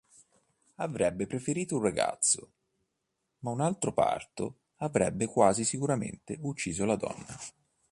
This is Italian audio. Avrebbe preferito un ragazzo, ma un altro parto avrebbe quasi sicuramente ucciso la donna.